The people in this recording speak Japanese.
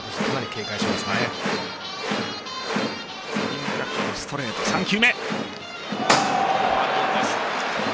変化球、ストレート、３球目。